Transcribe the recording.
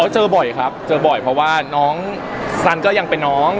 เจอบ่อยครับเจอบ่อยเพราะว่าน้องสันก็ยังเป็นน้อง